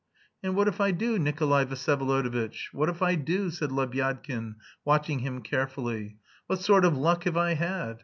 "And what if I do, Nikolay Vsyevolodovitch? What if I do?" said Lebyadkin, watching him carefully. "What sort of luck have I had?